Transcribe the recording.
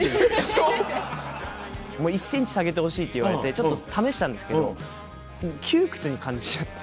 １ｃｍ下げてほしいって言われてちょっと試したんですけど窮屈に感じちゃって。